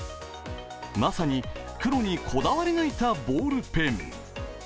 まさに黒にこだわり抜いたボールペン。